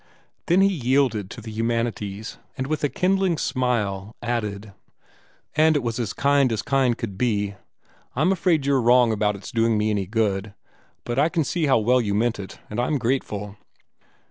Then he yielded to the humanities, and with a kindling smile added, "And it was as kind as kind could be. I'm afraid you're wrong about it's doing me any good, but I can see how well you meant it, and I'm grateful."